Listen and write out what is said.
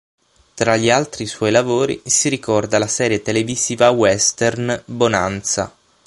Tra gli altri suoi lavori si ricorda la serie televisiva western "Bonanza".